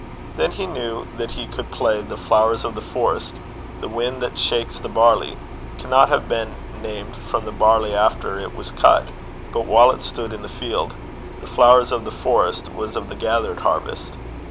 Then he knew that he could play the Flowers of the Forest. The Wind that Shakes the Barley cannot have been named from the barley after it was cut, but while it stood in the field: the Flowers of the Forest was of the gathered harvest.